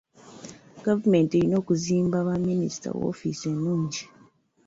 Gavumenti erina okuzimba baminisita woofiisi ennungi.